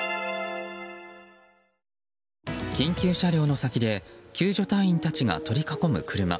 緊急車両の先で救助隊員たちが取り囲む車。